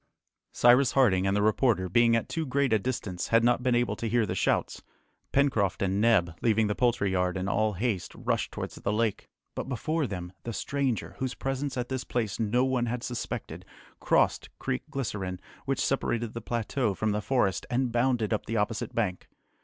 Cyrus Harding and the reporter, being at too great a distance, had not been able to hear the shouts. Pencroft and Neb, leaving the poultry yard in all haste, rushed towards the lake. [Illustration: NOW FOR A GOOD WIND] But before them, the stranger, whose presence at this place no one had suspected, crossed Creek Glycerine, which separated the plateau from the forest, and bounded up the opposite bank.